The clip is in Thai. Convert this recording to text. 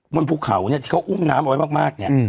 บนภูเขาเนี่ยที่เขาอุ้มน้ำเอาไว้มากเนี่ย